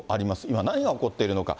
今、何が起こっているのか。